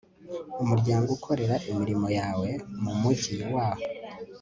Umuryango ukorera imirimo yawe mu mujyi wa